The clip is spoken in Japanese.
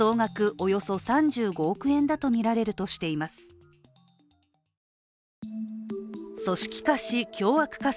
およそ３５億円だとみられるとしています。